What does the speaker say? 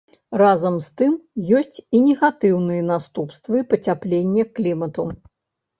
Разам з тым, ёсць і негатыўныя наступствы пацяплення клімату.